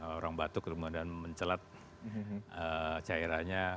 orang batuk kemudian mencelat cairannya